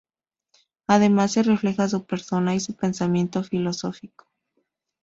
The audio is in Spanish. Además se refleja su persona y su pensamiento filosófico.